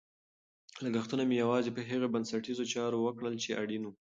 لګښتونه مې یوازې په هغو بنسټیزو چارو وکړل چې اړین وو.